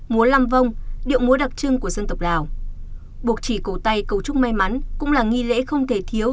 múa lăm vông điệu múa đặc trưng của dân tộc lào buộc chỉ cầu tay cầu chúc may mắn cũng là nghi lễ không thể thiếu